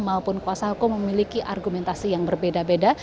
maupun kuasa hukum memiliki argumentasi yang berbeda beda